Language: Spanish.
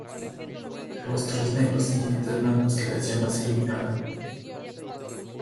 rostros negros y dientes blancos que las llamas iluminaban.